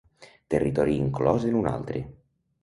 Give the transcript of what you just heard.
Territori inclòs en un altre.